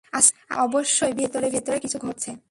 আচ্ছা, অবশ্যই ভেতরে ভেতরে কিছু ঘটছে।